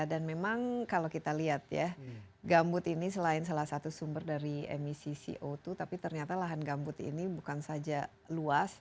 dan memang kalau kita lihat ya gambut ini selain salah satu sumber dari emisi co dua tapi ternyata lahan gambut ini bukan saja luas